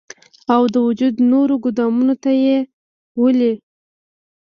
او د وجود نورو ګودامونو ته ئې ولي